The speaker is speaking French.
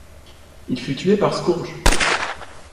Il fut tué par Scourge.